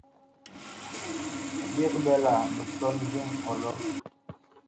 Big ɓɛla misɔn viŋ ɔlɔ.